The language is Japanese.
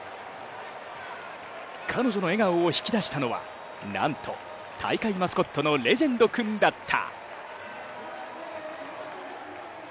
彼女の笑顔を引き出したのは、なんと大会マスコットのレジェンド君だった。